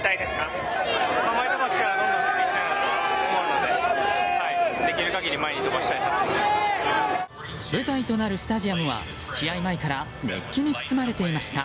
舞台となるスタジアムは試合前から熱気に包まれていました。